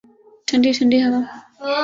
ٹھنڈی ٹھنڈی ہوا